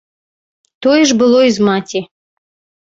Тое ж было і з маці.